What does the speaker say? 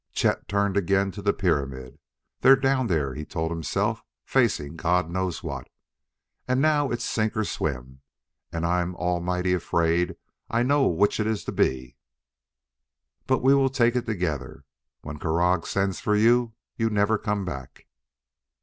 Chet turned again to the pyramid. "They're down there," he told himself, "facing God knows what. And now it's sink or swim, and I'm almighty afraid I know which it's to be. But we'll take it together: 'When Krargh sends for you, you never come back.'"